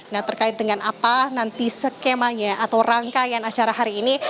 nah terkait dengan apa nanti skemanya atau rangkaian acara hari ini